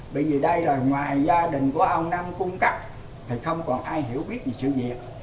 bởi vì đây rồi ngoài gia đình của ông nam cung cấp thì không còn ai hiểu biết về sự việc